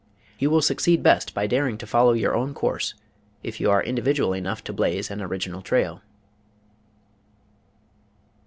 You will succeed best by daring to follow your own course if you are individual enough to blaze an original trail.